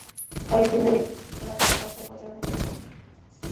কয়েক দিন ধরে এখানে শিক্ষকেরা ভাগ ভাগ হয়ে প্রচারণায় চলে যান।